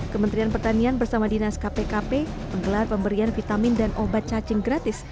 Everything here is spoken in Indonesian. kementerian pertanian bersama dinas kpkp menggelar pemberian vitamin dan obat cacing gratis